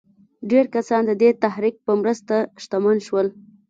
ډېر کسان د دې تحرک په مرسته شتمن شول.